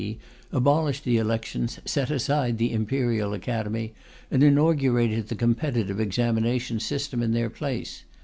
D.) abolished the elections, set aside the Imperial Academy, and inaugurated the competitive examination system in their place.